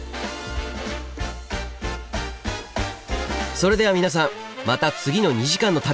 それでは皆さんまた次の２時間の旅で。